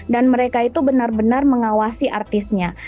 dan mereka itu benar benar mengawasi artisnya